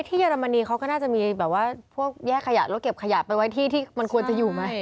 เยอรมนีเขาก็น่าจะมีแบบว่าพวกแยกขยะแล้วเก็บขยะไปไว้ที่ที่มันควรจะอยู่ไหม